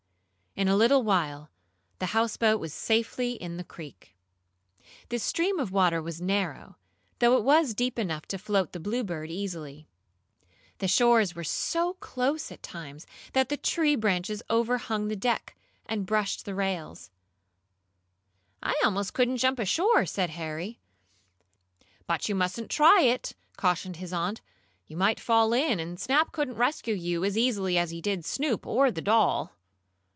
In a little while the houseboat was safely in the creek. This stream of water was narrow, though it was deep enough to float the Bluebird easily. The shores were so close, at times, that the tree branches overhung the deck, and brushed the rails. "I could almost jump ashore," said Harry. "But you mustn't try it!" cautioned his aunt. "You might fall in, and Snap couldn't rescue you as easily as he did Snoop or the doll."